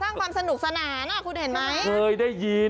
สร้างความสนุกสนานอ่ะคุณเห็นมั้ย